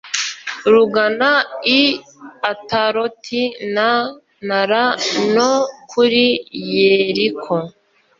rugana i ataroti na nara no kuri yeriko